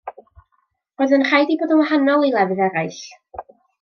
Roedd yn rhaid ei bod yn wahanol i lefydd eraill.